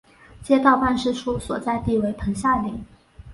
街道办事处所在地为棚下岭。